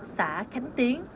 xã khánh tiến